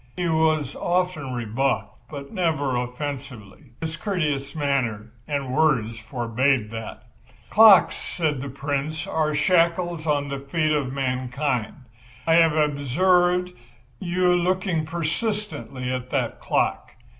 He was often rebuffed but never offensively. His courteous manner and words forbade that. "Clocks," said the Prince, "are shackles on the feet of mankind. I have observed you looking persistently at that clock.